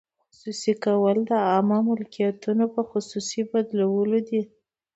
خصوصي کول د عامه ملکیتونو په خصوصي بدلول دي.